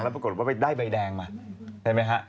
แล้วปรากฏว่าได้ใบแดงมา